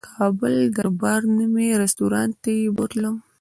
کابل دربار نومي رستورانت ته یې بوتلم.